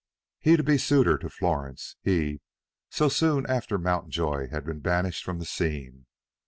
He to be suitor to Florence, he, so soon after Mountjoy had been banished from the scene!